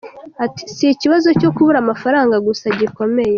Ati :"Si ikibazo cyo kubura amafaranga gusa gikomeye.